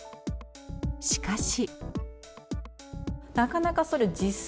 しかし。